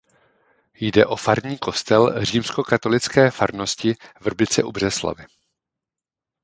Jde o farní kostel římskokatolické farnosti Vrbice u Břeclavi.